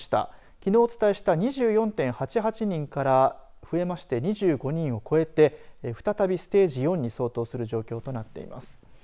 きのうお伝えした２４．８８人から増えまして２５人を超えて再びステージ４に相当する状況となっています。